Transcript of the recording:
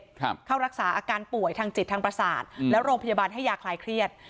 ครับเข้ารักษาอาการป่วยทางจิตทางประสาทแล้วโรงพยาบาลให้ยาคลายเครียด